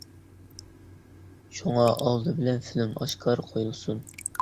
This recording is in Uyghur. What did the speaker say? شۇڭا ئالدى بىلەن فىلىم ئاشكارا قويۇلسۇن.